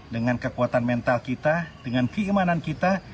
dengan kekuatan mental kita dengan keimanan kita